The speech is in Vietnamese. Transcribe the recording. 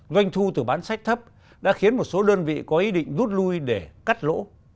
doanh thu từ bán sách thấp đã khiến một số đơn vị có ý định rút lui để cắt lỗ